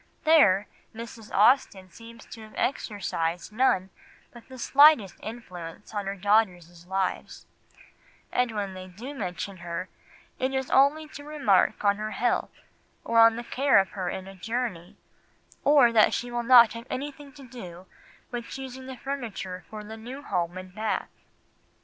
There, Mrs. Austen seems to have exercised none but the slightest influence on her daughters' lives, and when they do mention her, it is only to remark on her health, or the care of her in a journey, or that she will not have anything to do with choosing the furniture for the new home in Bath.